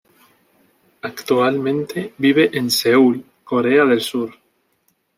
Actualmente vive en Seúl, Corea del Sur.